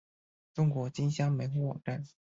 中国金乡门户网站